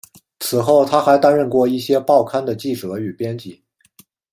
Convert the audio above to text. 此后他还曾担任过一些报刊的记者与编辑。